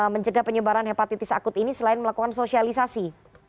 mencegah penyebaran hepatitis akut ini selain melakukan sosialisasi